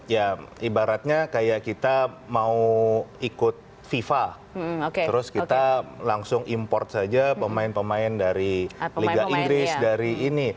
ya ibaratnya kayak kita mau ikut fifa terus kita langsung import saja pemain pemain dari liga inggris dari ini